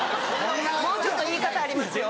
もうちょっと言い方ありますよ。